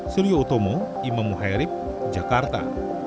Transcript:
suryo utomo imam muhairib jakarta